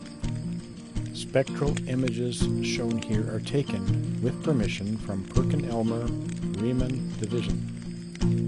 Spectral Images shown here are taken, with permission from PerkinElmer Raman Division.